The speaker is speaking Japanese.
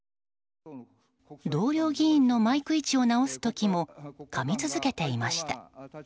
同僚議員のマイク位置を直す時もかみ続けていました。